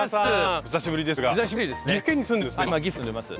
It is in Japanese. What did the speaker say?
久しぶりですね。